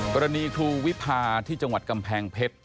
ครูวิพาที่จังหวัดกำแพงเพชร